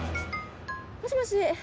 もしもし。